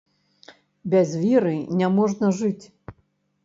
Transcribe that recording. Без веры не можна жыць.